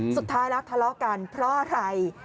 สุดท้ายแล้วทะเลาะกันเพราะอะไร